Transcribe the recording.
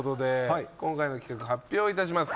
今回の企画発表いたします。